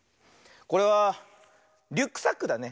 これはリュックサックだね。